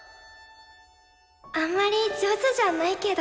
あんまり上手じゃないけど。